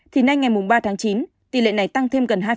thì nay ngày mùng ba tháng chín tỷ lệ này tăng thêm gần hai bảy